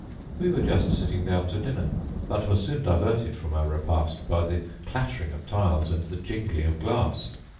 We were just sitting down to dinner; but were soon diverted from our repast by the clattering of tiles and the jingling of glass.